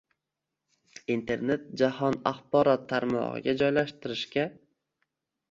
Internet jahon axborot tarmog‘iga joylashtirishga